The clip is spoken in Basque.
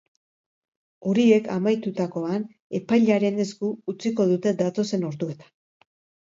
Horiek amaitutakoan, epailearen esku utziko dute datozen orduetan.